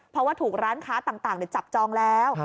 เพราะว่าถูกร้านค้าต่างจับจองแล้ว